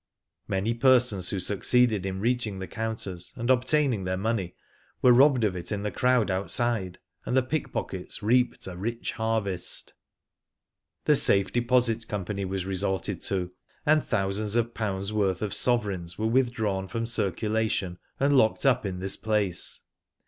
Many persons who succeeded in reaching the counters, and obtaining their money, were robbed of it in the cro\Yd outside, and the pickpockets reaped a rich harvest. Digitized byGoogk SIGNS OF THE TIMES, 303 The Safe Deposit Company was resorted to, and thousands of pounds worth of sovereigns were withdrawn from circulation, and locked up in this place.